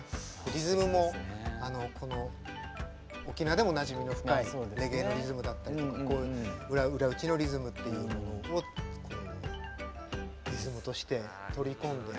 リズムも沖縄でおなじみの深いレゲエのリズムだったり裏打ちのリズムっていうのをリズムとして取り込んで。